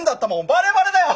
バレバレだよ！